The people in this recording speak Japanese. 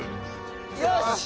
よし！